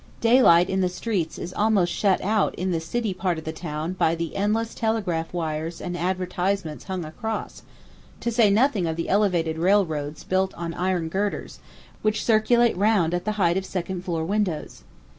Day light in the streets is almost shut out in the "City" part of the town by the endless telegraph wires and advertisements hung across, to say nothing of the elevated railroads built on iron girders, which circulate round at the height of second floor windows.